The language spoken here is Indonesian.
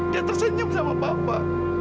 dia tersenyum sama papa